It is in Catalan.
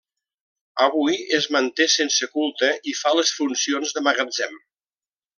Avui es manté sense culte i fa les funcions de magatzem.